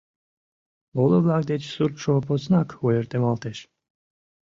Моло-влак деч суртшо поснак ойыртемалтеш.